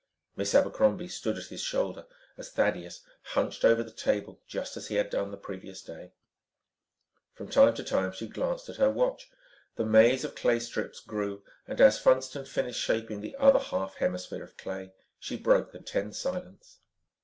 Miss Abercrombie stood at his shoulder as Thaddeus hunched over the table just as he had done the previous day. From time to time she glanced at her watch. The maze of clay strips grew and as Funston finished shaping the other half hemisphere of clay, she broke the tense silence.